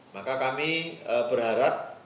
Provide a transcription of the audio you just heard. maka kami berharap